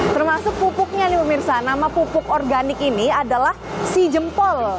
termasuk pupuknya nih pemirsa nama pupuk organik ini adalah si jempol